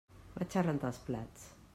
Vaig a rentar els plats.